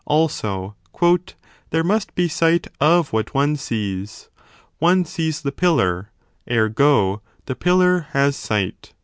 Also, There must be sight of what one sees : one sees the 10 pillar: ergo the pillar has sight